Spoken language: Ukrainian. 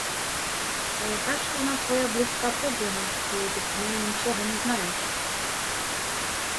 Та яка ж вона твоя близька подруга, коли ти про неї нічого не знаєш?